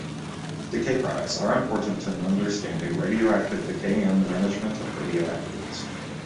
Decay products are important in understanding radioactive decay and the management of radioactive waste.